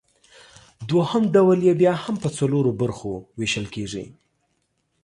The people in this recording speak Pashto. دوهم ډول یې بیا هم پۀ څلورو برخو ویشل کیږي